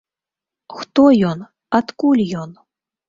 Хто ён, адкуль ён?